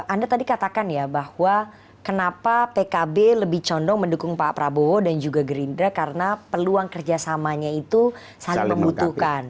anda tadi katakan ya bahwa kenapa pkb lebih condong mendukung pak prabowo dan juga gerindra karena peluang kerjasamanya itu saling membutuhkan